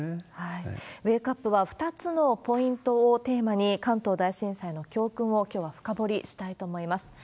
ウェークアップは、２つのポイントをテーマに、関東大震災の教訓を、きょうは深掘りしたいと思います。